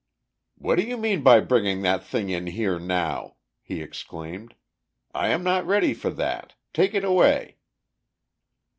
"What do you mean by bringing that thing in here now?" he exclaimed. "I am not ready for that—take it away."